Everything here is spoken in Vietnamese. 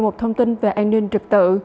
một thông tin về an ninh trực tự